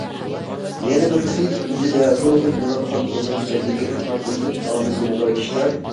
يەنە بىر خىلى، ئۆزىدە نۇرغۇن مېڭە قان تومۇر كېسەللىكىنىڭ خەتەرلىك ئامىللىرى بار كىشىلەر.